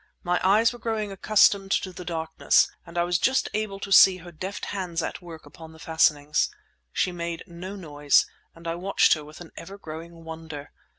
My eyes were growing accustomed to the darkness, and I was just able to see her deft hands at work upon the fastenings. She made no noise, and I watched her with an ever growing wonder.